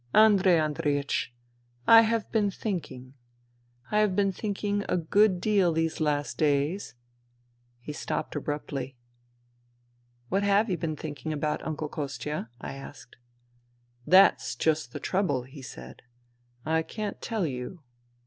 Andrei Andreiech, I have been thinking. I have been thinking a good deal these last days." He stopped abruptly. " What have you been thinking about, Uncle Kostia ?" I asked. " That's just the trouble," he said, '' I can't tell you."